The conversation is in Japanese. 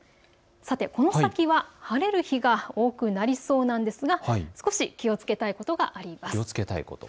この先は晴れる日が多くなりそうなんですが少し気をつけたいことがあります。